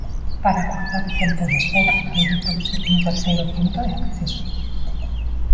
Para acurtar o tempo de espera habilitouse un terceiro punto de acceso.